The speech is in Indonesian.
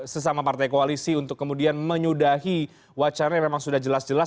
sesama partai koalisi untuk kemudian menyudahi wacana yang memang sudah jelas jelas